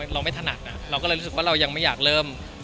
เราไม่ถนัดเราก็เลยรู้สึกว่าเรายังไม่อยากเริ่ม